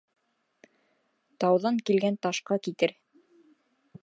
Тауҙан килгән ташҡа китер.